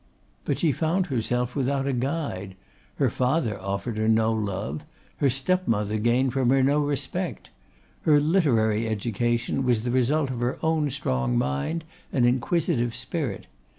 But she found herself without a guide. Her father offered her no love; her step mother gained from her no respect. Her literary education was the result of her own strong mind and inquisitive spirit.